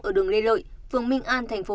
ở đường lê lợi phường minh an tp hcm